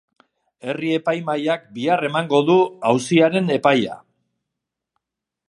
Herri-epaimahaiak bihar emango du auziaren epaia.